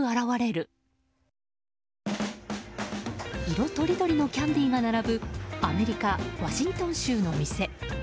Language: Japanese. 色とりどりのキャンディーが並ぶアメリカ・ワシントン州の店。